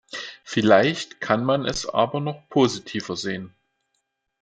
Vielleicht kann man es aber noch positiver sehen.